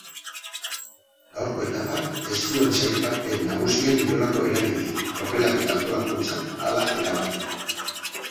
Gaurko etapak ez zuen sailkapen nagusian inolako eraginik tropelak eta antolakuntzak hala erabakita.